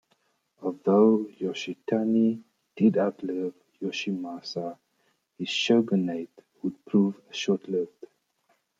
Although Yoshitane did outlive Yoshimasa, his shogunate would prove short-lived.